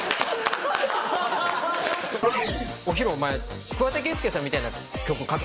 「ヒロお前桑田佳祐さんみたいな曲書け」。